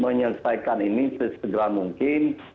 menyelesaikan ini segera mungkin